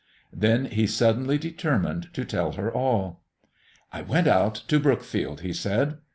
Then he suddenly determined to tell her all. "I went out to Brookfield," he said.